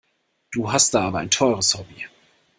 Du hast da aber ein teures Hobby.